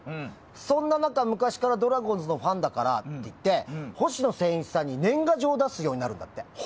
そんな中、昔からドラゴンズのファンだからっていって星野仙一さんに年賀状を出すようになるんだって。